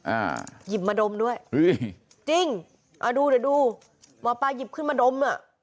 อ่าหยิบมาดมด้วยเฮ้ยจริงอ่าดูเดี๋ยวดูหมอปลาหยิบขึ้นมาดมอ่ะ